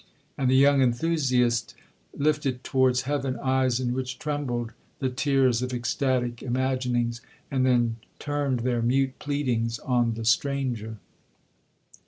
And the young enthusiast lifted towards heaven eyes in which trembled the tears of ecstatic imaginings, and then turned their mute pleadings on the stranger.